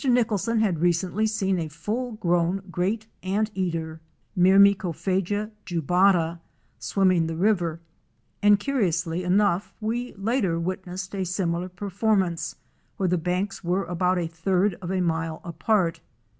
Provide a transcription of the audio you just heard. Nicholson had recently seen a full grown Great Anteater (Myrmecophaga jubala) swimming the river, and curiously enough we later witnessed a similar performance where the banks were about a third of a mile apart.